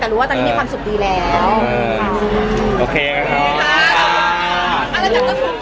แต่รู้ว่าตอนนี้มีความสุขดีแล้ว